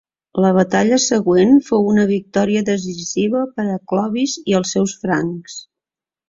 La batalla següent fou una victòria decisiva per a Clovis i els seus Franks.